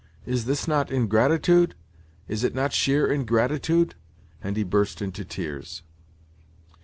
Is this not ingratitude? Is it not sheer ingratitude?" And he burst into tears.